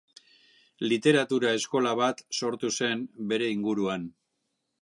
Literatura-eskola bat sortu zen bere inguruan.